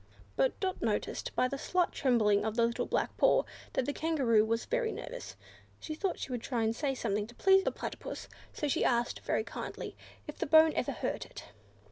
But Dot noticed, by the slight trembling of the little black paw, that the Kangaroo was very nervous. She thought she would try and say something to please Platypus; so she asked, very kindly, if the bone ever hurt it.